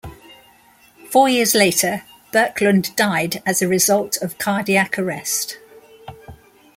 Four years later, Birkelund died as a result of cardiac arrest.